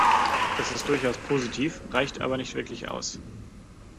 Das ist durchaus positiv, reicht aber nicht wirklich aus.